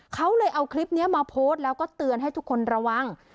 เขาเลยเอาคลิปนี้มาโพสต์แล้วก็เตือนให้ทุกคนระวัง